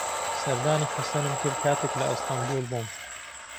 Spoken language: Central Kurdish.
سەردانی حەسەنم کرد کاتێک لە ئەستەنبوڵ بووم.